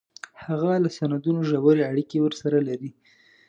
هغه له سندونو ژورې اړیکې ورسره لري